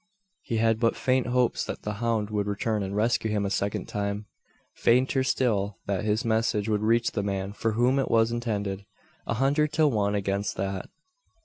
He had but faint hopes that the hound would return and rescue him a second time fainter still that his message would reach the man for whom it was intended. A hundred to one against that.